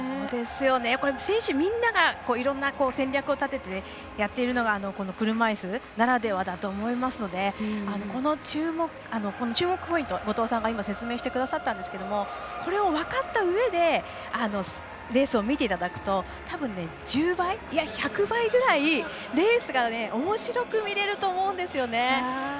選手みんながいろいろな戦略を立ててやっているのが車いすならではだと思うのでこの注目ポイント、後藤さんが説明してくださったんですがこれを分かったうえでレースを見ていただくとたぶん、１０倍いや１００倍ぐらいレースがおもしろく見れると思うんですよね。